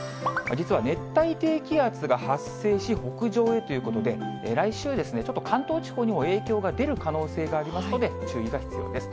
実は、熱帯低気圧が発生し、北上へということで、来週、ちょっと関東地方にも影響が出る可能性がありますので、注意が必要です。